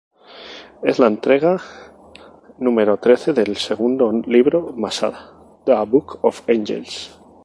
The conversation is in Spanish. Es la entrega número trece del segundo libro Masada, ""The Book of Angels"".